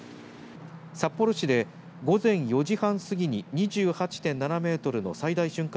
札幌市で、午前４時半過ぎに２８．７メートルの最大瞬間